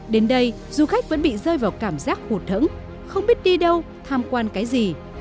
đến đây du khách vẫn bị rơi vào cảm giác hụt thẫn không biết đi đâu tham quan cái gì